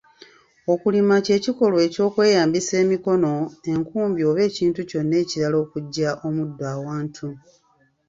Okulima kye kikolwa eky’okweyambisa emikono, enkumbi oba ekintu kyonna ekirala okuggya omuddo awantu.